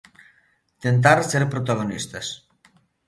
Tentar ser protagonistas.